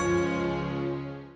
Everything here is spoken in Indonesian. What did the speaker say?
karena dia sudah berubah